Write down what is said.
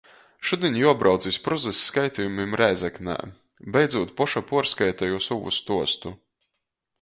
Šudiņ juobrauc iz Prozys skaitejumim Rēzeknē. Beidzūt poša puorskaiteju sovu stuostu.